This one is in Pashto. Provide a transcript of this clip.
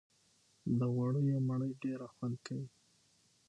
د غوړيو مړۍ ډېره خوند کوي